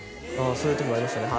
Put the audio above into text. そういう時もありましたね